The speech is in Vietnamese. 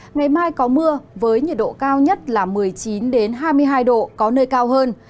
ngày mai có mưa với nhiệt độ cao nhất là một mươi chín hai mươi hai độ có nơi cao hơn